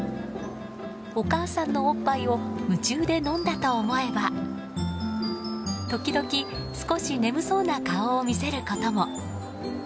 お母さんのおっぱいを夢中で飲んだと思えば時々、少し眠そうな顔を見せることも。